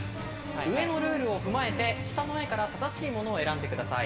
上のルールを踏まえて、下の絵から正しいものを選んでください。